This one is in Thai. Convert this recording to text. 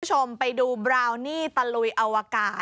คุณผู้ชมไปดูบราวนี่ตะลุยอวกาศ